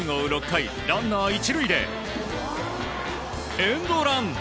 ６回ランナー１塁でエンドラン。